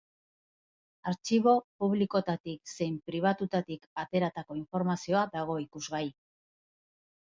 Artxibo publikotatik zein pribatutatik ateratako informazioa dago ikusgai.